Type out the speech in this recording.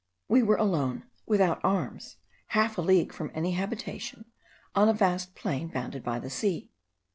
We were alone, without arms, half a league from any habitation, on a vast plain bounded by the sea.